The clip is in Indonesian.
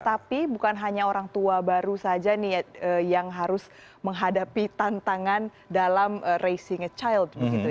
tapi bukan hanya orang tua baru saja nih yang harus menghadapi tantangan dalam racing a child